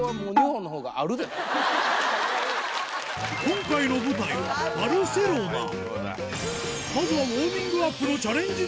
今回の舞台はまずはウォーミングアップのチャレンジ